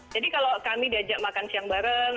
jadi kalau kami diajak makan siang bareng